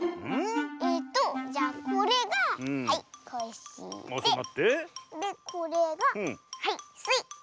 えっとじゃこれがはいコッシーででこれがはいスイ。